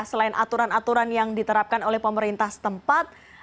selain aturan aturan yang diterapkan oleh pemerintah setempat